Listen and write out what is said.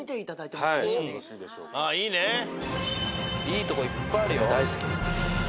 いいとこいっぱいあるよ。